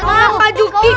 maaf pak juki